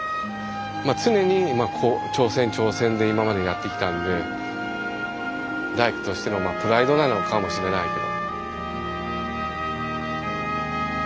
まあ常に挑戦挑戦で今までやってきたんで大工としてのまあプライドなのかもしれないけど。